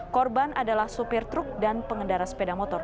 korban adalah supir truk dan pengendara sepeda motor